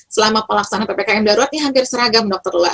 selama pelaksanaan ppkm darurat ini hampir seragam dokter lula